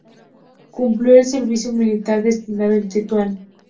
Cumplió el servicio militar destinado en Tetuán.